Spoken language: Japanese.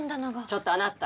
ちょっとあなた。